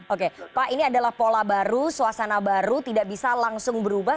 oke pak ini adalah pola baru suasana baru tidak bisa langsung berubah